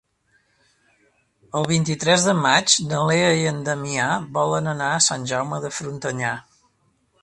El vint-i-tres de maig na Lea i en Damià volen anar a Sant Jaume de Frontanyà.